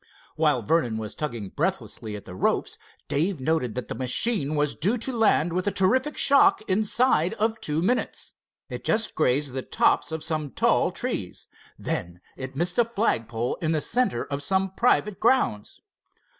While Vernon was tugging breathlessly at the ropes, Dave noted that the machine was due to land with a terrific shock inside of two minutes. It just grazed the tops of some tall trees. Then it missed a flagpole in the center of some private grounds.